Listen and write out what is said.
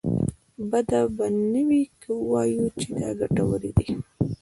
بده به نه وي که ووايو چې دا ګټورې دي.